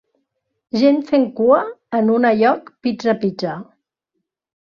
Gent fent cua en una lloc Pizza Pizza.